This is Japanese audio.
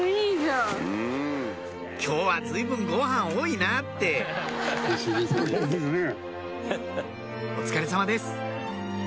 「今日は随分ご飯多いな」ってお疲れさまです！